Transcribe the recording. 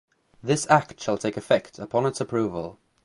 This Act shall take effect upon its approval.